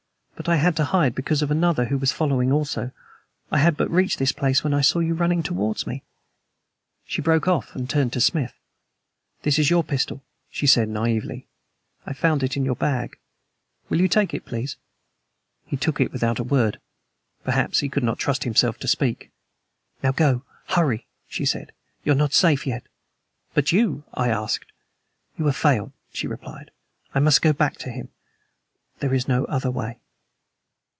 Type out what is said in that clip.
But I had to hide because of another who was following also. I had but just reached this place when I saw you running towards me." She broke off and turned to Smith. "This is your pistol," she said naively. "I found it in your bag. Will you please take it!" He took it without a word. Perhaps he could not trust himself to speak. "Now go. Hurry!" she said. "You are not safe yet." "But you?" I asked. "You have failed," she replied. "I must go back to him. There is no other way."